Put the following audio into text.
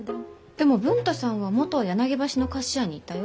でも文太さんは元は柳橋の菓子屋にいたよ。